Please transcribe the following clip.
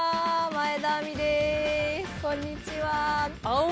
前田亜美ですこんにちは。